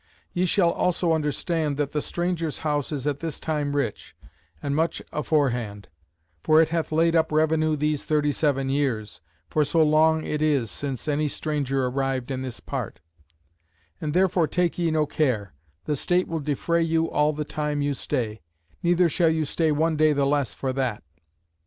Ye shall also understand, that the Strangers' House is at this time rich, and much aforehand; for it hath laid up revenue these thirty seven years; for so long it is since any stranger arrived in this part: and therefore take ye no care; the State will defray you all the time you stay; neither shall you stay one day the less for that.